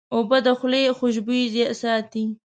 اوبه د خولې خوشبویي ساتي.